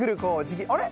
あれ？